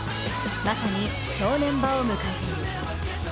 まさに正念場を迎えている。